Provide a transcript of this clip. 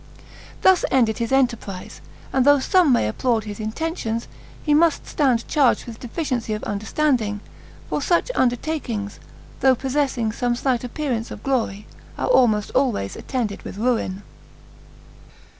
Thus ended his enterprise; and though some may applaud his intentions, he must stand charged with deficiency of understanding; for such undertakings, though possessing some slight appearance of glory, are almost always attended with ruin.